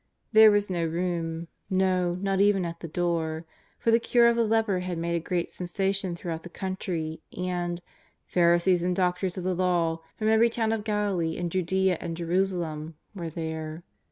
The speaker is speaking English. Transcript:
There was no room; no, not even at the door, for the cure of the leper had made a great sensation throughout the country, and " Pharisees and doctors of the Law from every tovm of Galilee, and Judea, and Jerusalem," were there.